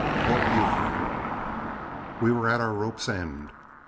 FORT BUFORD We were at our rope's end.